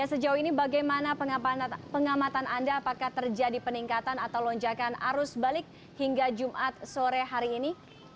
sejauh ini bagaimana pengamatan anda apakah terjadi peningkatan atau lonjakan arus balik hingga jumat sore hari ini